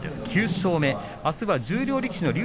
９勝目、あすは十両力士竜